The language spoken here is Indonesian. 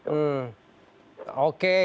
tanpa ada tendensi